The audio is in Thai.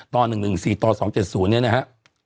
ตอน๑๑๔ตอน๒๒๐เนี่ยนะคะ